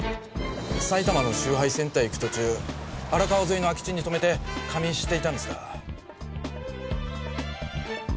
埼玉の集配センターへ行く途中荒川沿いの空き地に止めて仮眠していたんですが。